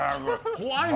怖い。